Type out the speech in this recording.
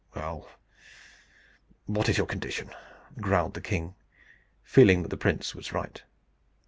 "Well, what is your condition?" growled the king, feeling that the prince was right.